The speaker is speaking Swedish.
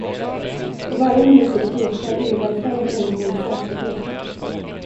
Och varje minut du tvekar innebär färre människor i säkerhet.